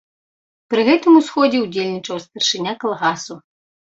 Пры гэтым у сходзе ўдзельнічаў старшыня калгасу.